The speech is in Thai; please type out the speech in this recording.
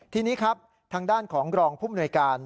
ทีนี้ครับทางด้านของรองผู้มนวยการ